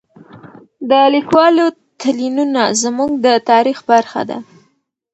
د لیکوالو تلینونه زموږ د تاریخ برخه ده.